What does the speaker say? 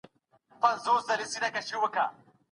هغه وویل چي ړوند هلک له ډاره په اوږه باندي مڼه ساتي.